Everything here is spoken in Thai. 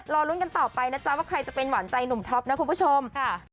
รอลุ้นกันต่อไปนะจ๊ะว่าใครจะเป็นหวานใจหนุ่มท็อปนะคุณผู้ชม